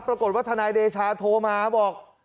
ปรากฏว่าทนายเดชาโทรมาบอก